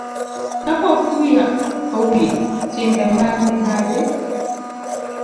Ka pok wiya owil, timbe mag mibadhi